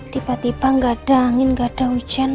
tiba tiba gak ada angin gak ada hujan